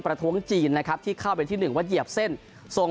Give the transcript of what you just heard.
ประท้วงจีนนะครับที่เข้าเป็นที่หนึ่งว่าเหยียบเส้นทรง